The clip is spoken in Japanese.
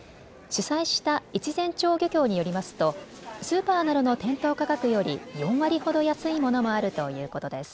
主催した越前町漁協によりますとスーパーなどの店頭価格より４割ほど安いものもあるということです。